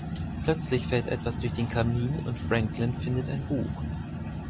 Plötzlich fällt etwas durch den Kamin und Franklin findet ein Buch.